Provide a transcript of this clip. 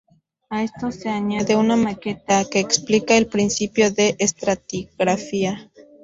A esto se añade una maqueta que explica el principio de estratigrafía.